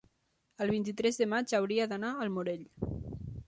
el vint-i-tres de maig hauria d'anar al Morell.